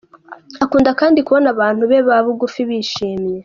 Akunda kandi kubona abantu be ba bugufi bishimye.